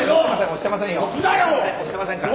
押してませんから。